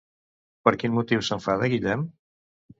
Per quin motiu s'enfada, Guillem?